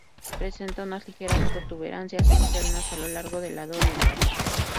Presenta unas ligeras protuberancias externas a lo largo del lado oriental.